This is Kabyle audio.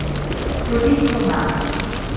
Tuli ssuma.